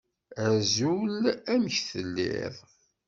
Azul! Amek telliḍ?